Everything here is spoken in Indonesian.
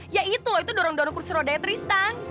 ya itu loh itu dorong dorong kursi roda tristan